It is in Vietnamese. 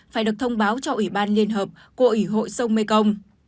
phải được thông báo cho ủy ban liên hợp của ủy hội sông mekong